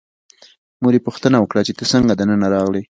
مور یې پوښتنه وکړه چې ته څنګه دننه راغلې.